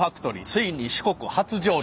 ついに四国初上陸。